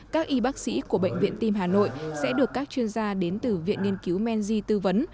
các y bác sĩ của bệnh viện tim hà nội sẽ được các chuyên gia đến từ viện nghiên cứu menzy tư vấn